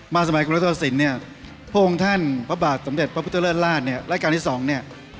มาในสมัยกรุงรัฐศิลป์เนี่ยพวกงงท่านพระบาทสำเด็จพระพุทธเริ่มราชรายการที่สองเนี่ย